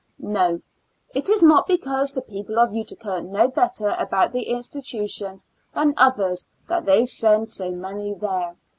No, it is not because the people of Utica know better about the institution than others that they send so many there.